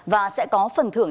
và sẽ có phần thưởng